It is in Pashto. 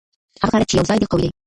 هغه خلګ چي یو ځای دي قوي دي.